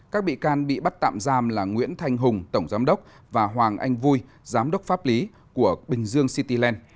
các bị can bị bắt tạm giam là nguyễn thanh hùng tổng giám đốc và hoàng anh vui giám đốc pháp lý của bình dương cityland